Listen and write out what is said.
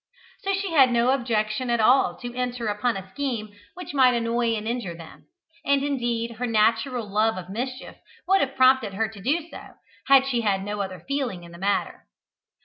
So she had no objection at all to enter upon a scheme which might annoy and injure them, and indeed her natural love of mischief would have prompted her to do so, had she had no other feeling in the matter.